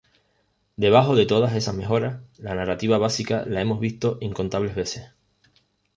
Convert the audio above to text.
Debajo de todas esas mejoras, la narrativa básica la hemos visto incontables veces.